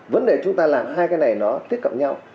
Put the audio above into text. vấn đề chúng ta làm hai cái này nó tiếp cận nhau